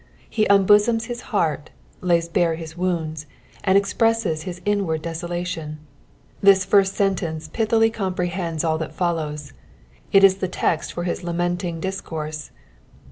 He unbosoms his heart, lays bare his wounds, and expresses his inward desolation. This first sentence pithily comprehends all that follows, it is the text for his lamenting disconrse.